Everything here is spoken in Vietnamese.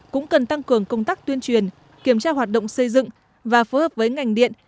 cũng cần tăng cường công tác tuyên truyền kiểm tra hoạt động xây dựng và phối hợp với ngành điện